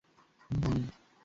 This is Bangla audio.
এটা তোমার আইডিয়া ছিল!